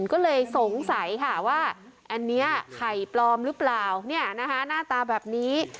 ก็เลยสงสัยค่ะว่าอันนี้ไข่ปลอมหรือเปล่าเนี่ยนะคะหน้าตาแบบนี้